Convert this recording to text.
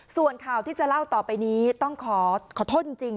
ส่วนข่าวที่จะเล่าต่อไปนี้ต้องขอโทษจริง